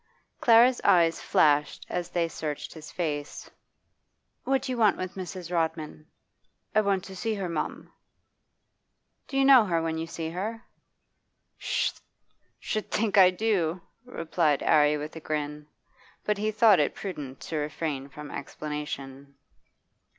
Clara's eyes flashed as they searched his face. 'What do you want with Mrs. Rodman?' 'Want to see her, mum.' 'Do you know her when you see her?' 'Sh' think I do,' replied 'Arry with a grin. But he thought it prudent to refrain from explanation.